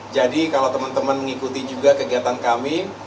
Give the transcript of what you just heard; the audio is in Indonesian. jadi kalau teman teman mengikuti juga kegiatan kami